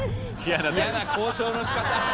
嫌な交渉のしかた。